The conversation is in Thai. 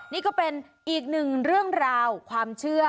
นี่ก็เป็นอีกหนึ่งเรื่องราวความเชื่อ